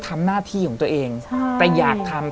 แต่ขอให้เรียนจบปริญญาตรีก่อน